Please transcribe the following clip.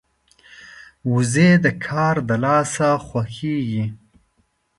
وزې د کار د لاسه خوښيږي